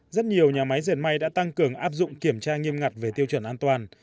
rất nhiều nhà máy dệt may đã tăng cường áp dụng kiểm tra nghiêm ngặt về tiêu chuẩn an toàn